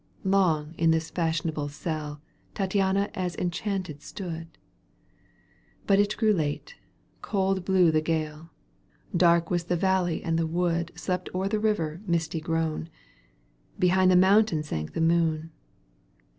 Long in this fashionable cell Tattiana as enchanted stood ; But it grew late ; cold blew the gale ; Dark was the valley and the wood Slept o'er the river misty grown. Behind the mountain sank the moon.